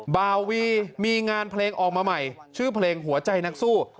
บาวีมีงานเพลงออกมาใหม่ชื่อเพลงหัวใจนักสู้